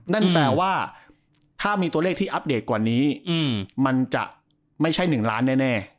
นั่นแปลว่าถ้ามีตัวเลขที่อัปเดตกว่านี้มันจะไม่ใช่๑ล้านแน่